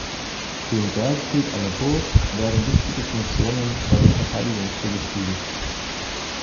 Dem Bergfried einer Burg werden wichtige Funktionen bei der Verteidigung zugeschrieben.